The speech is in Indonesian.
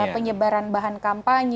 penyebaran bahan kampanye